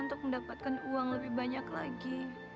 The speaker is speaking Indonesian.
untuk mendapatkan uang lebih banyak lagi